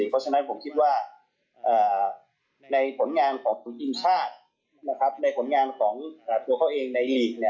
เพราะฉะนั้นผมคิดว่าในผลงานของทีมชาติในผลงานของตัวเขาเองในลีก